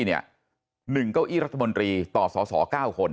๑เก้าอี้รัฐมนตรีต่อสอสอบสอบ